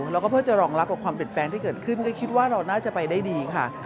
แล้วก็เพื่อจะรองรับกับความเปลี่ยนแปลงที่เกิดขึ้นก็คิดว่าเราน่าจะไปได้ดีค่ะ